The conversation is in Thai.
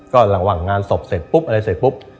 ก็ระหว่างงานศพเสร็จปุ๊บอะไรเสร็จปุ๊บ